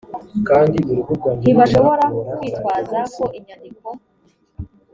ntibashobora kwitwaza ko inyandiko